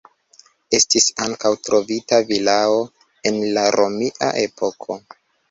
Estis ankaŭ trovita vilao el la romia epoko.